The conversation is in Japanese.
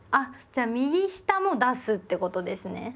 じゃあ右下も出すってことですね。